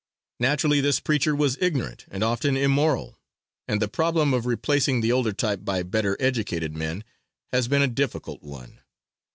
Naturally this preacher was ignorant and often immoral, and the problem of replacing the older type by better educated men has been a difficult one.